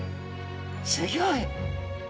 すギョい。